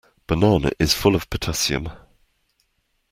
Banana is full of potassium.